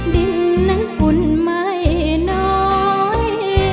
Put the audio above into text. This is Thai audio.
ดินนั้นอุ่นไม่น้อย